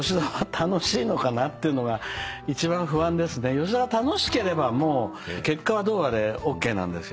吉田が楽しければもう結果はどうあれＯＫなんですよ。